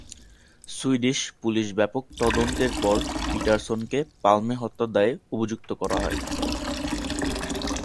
Swedish police ব্যাপক তদন্তের পর পিটারসনকে পালমে হত্যার দায়ে অভিযুক্ত করা হয়।